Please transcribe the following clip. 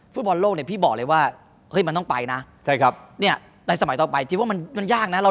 ฟุตบอลโลกพี่บอกเลยว่ามันต้องไปนะในสมัยต่อไปคิดว่ามันยากนะ